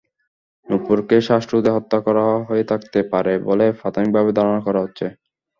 নূপুরকে শ্বাসরোধে হত্যা করা হয়ে থাকতে পারে বলে প্রাথমিকভাবে ধারণা করা হচ্ছে।